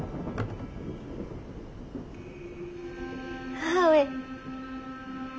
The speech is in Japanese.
母上。